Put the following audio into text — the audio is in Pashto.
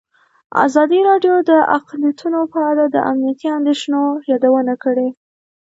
ازادي راډیو د اقلیتونه په اړه د امنیتي اندېښنو یادونه کړې.